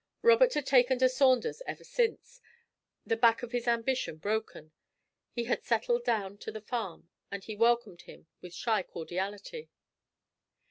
Robert had taken to Saunders ever since the back of his ambition broken he had settled down to the farm, and he welcomed him with shy cordiality.